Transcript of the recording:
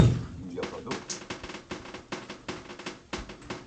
Il n'y a pas d'eau ?